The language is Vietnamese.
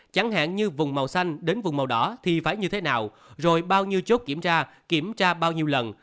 chẳng hạn như vùng màu xanh đến vùng màu đỏ thì phải như thế nào rồi bao nhiêu chốt kiểm tra kiểm tra bao nhiêu lần